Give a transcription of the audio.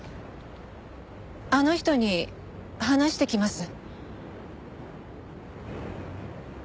あの人に話してきます。